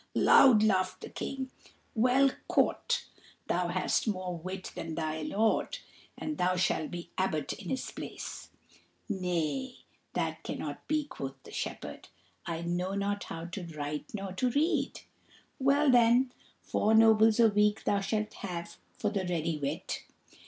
Loud laughed the King. "Well caught. Thou hast more wit than thy lord, and thou shalt be Abbot in his place." "Nay, that cannot be," quoth the shepherd; "I know not to write nor to read." "Well, then, four nobles a week thou shalt have for the ready wit.